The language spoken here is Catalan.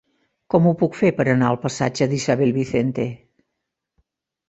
Com ho puc fer per anar al passatge d'Isabel Vicente?